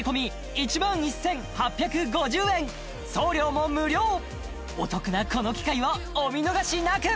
１万１８５０円送料も無料お得なこの機会をお見逃しなく！